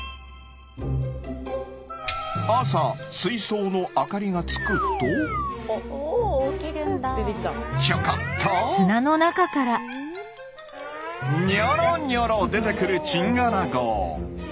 朝水槽の明かりがつくとひょこっとにょろにょろ出てくるチンアナゴ！